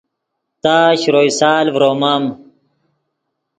تا شروئے سال ڤرومم